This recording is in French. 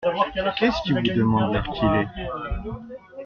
Qu’est-ce qui vous demande l’heure qu’il est ?…